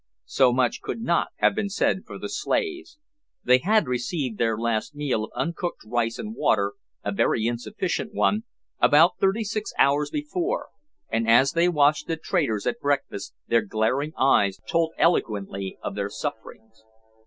So much could not have been said for the slaves. They had received their last meal of uncooked rice and water, a very insufficient one, about thirty six hours before, and as they watched the traders at breakfast, their glaring eyes told eloquently of their sufferings.